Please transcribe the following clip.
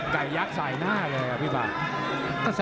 ไก่ยักษ์ใส่หน้าเลยอ่ะพี่บัตร